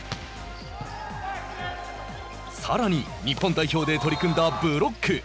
さらに日本代表で取り組んだブロック。